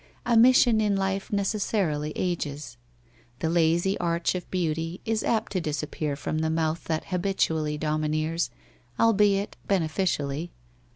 A mission in life neces sarily ages. The lazy arch of beauty is apt to disappear from the mouth that habitually domineers, albeit benefi cially.